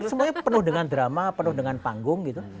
semuanya penuh dengan drama penuh dengan panggung gitu